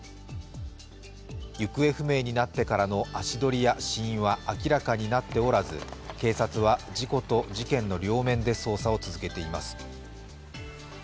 行方不明になってからの足取りや死因は明らかになっておらず警察は事故と事件の両面で捜査を続けています。